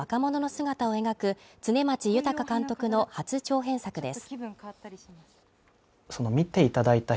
今の若者の姿を描く常間地裕監督の初長編作です